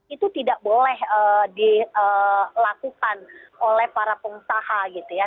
itu tidak boleh dilakukan oleh para pengusaha gitu ya